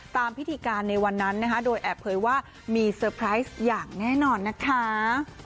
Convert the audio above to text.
ตามพิธีการในวันนั้นนะคะโดยแอบเผยว่ามีเซอร์ไพรส์อย่างแน่นอนนะคะ